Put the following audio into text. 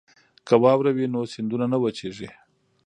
که واوره وي نو سیندونه نه وچیږي.